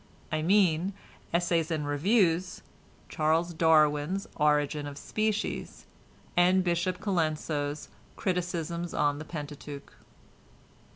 I mean "Essays and Reviews," Charles Darwin's "Origin of Species," and Bishop Colenso's "Criticisms on the Pentateuch."